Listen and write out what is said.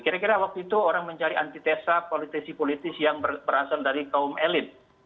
kira kira waktu itu orang mencari antitesa politisi politis yang berasal dari kaum elit